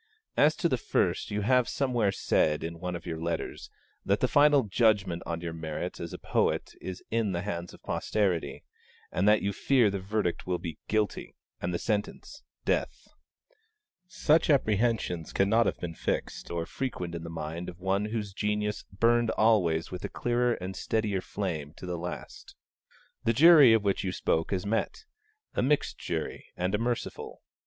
As to the first, you have somewhere said, in one of your letters, that the final judgment on your merits as a poet is in the hands of posterity, and that you fear the verdict will be 'Guilty,' and the sentence 'Death.' Such apprehensions cannot have been fixed or frequent in the mind of one whose genius burned always with a clearer and steadier flame to the last. The jury of which you spoke has met: a mixed jury and a merciful.